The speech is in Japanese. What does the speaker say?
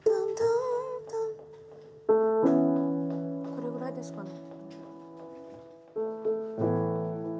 これぐらいですかね。